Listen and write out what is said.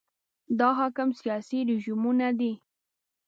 دا حاکم سیاسي رژیمونه دي.